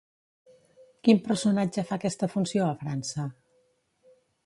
Quin personatge fa aquesta funció a França?